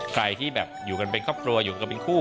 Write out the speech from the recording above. ใครที่แบบอยู่กันเป็นครอบครัวอยู่กันเป็นคู่